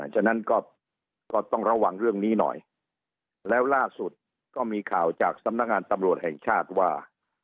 ฉะนั้นก็ต้องระวังเรื่องนี้หน่อยแล้วล่าสุดก็มีข่าวจากสำนักงานตำรวจแห่งชาติว่า